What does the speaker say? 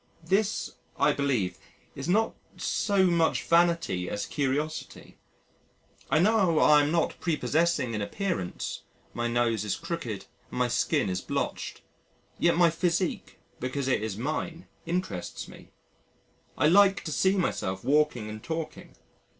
This, I believe, is not so much vanity as curiosity. I know I am not prepossessing in appearance my nose is crooked and my skin is blotched. Yet my physique because it is mine interests me. I like to see myself walking and talking.